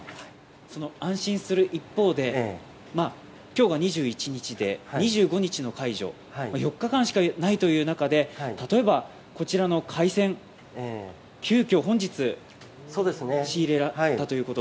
その安心する一方で、今日が２１日で２５日の解除、４日間しかないということで例えばこちらの海鮮急きょ、本日仕入れたということ。